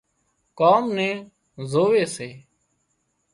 ڪام نين زووي سي